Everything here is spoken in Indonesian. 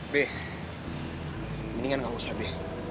be mendingan gak usah be